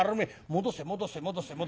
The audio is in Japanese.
戻せ戻せ戻せ戻せ